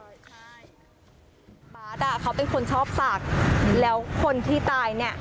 จะรับได้ใช่บาสเขาเป็นคนชอบศักดิ์แล้วคนที่ตาย